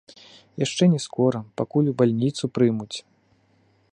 Яшчэ не скора, пакуль у больніцу прымуць.